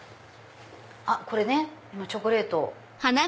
あっこれねこのチョコレート。